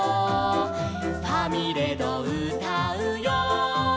「ファミレドうたうよ」